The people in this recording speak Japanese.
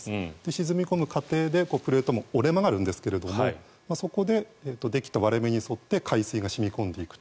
沈み込む過程でプレートも折れ曲がるんですがそこでできた割れ目に沿って海水が染み込んでいくと。